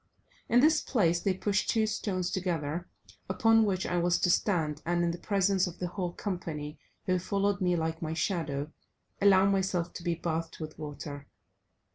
In this place they pushed two stones together, upon which I was to stand, and in the presence of the whole company, who followed me like my shadow, allow myself to be bathed with water.